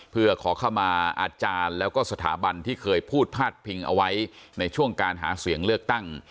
เพื่อขอเข้ามาอาจารย์แล้วก็สถาบันที่เคยพูดพาดพิงเอาไว้ในช่วงการหาเสียงเลือกตั้ง